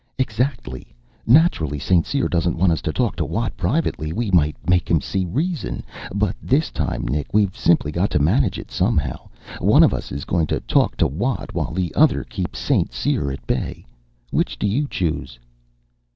"Exactly. Naturally St. Cyr doesn't want us to talk to Watt privately. We might make him see reason. But this time, Nick, we've simply got to manage it somehow. One of us is going to talk to Watt while the other keeps St. Cyr at bay. Which do you choose?"